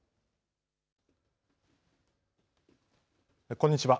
こんにちは。